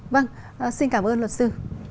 vâng xin cảm ơn luật sư